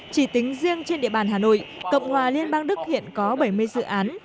chỉ tính riêng trên địa bàn hà nội cộng hòa liên bang đức hiện có bảy mươi dự án